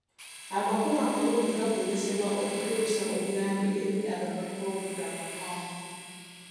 Amakubo amalungi gasobozesa okutuusa obuyambi eri abanoonyiboobubuddamu okwangu.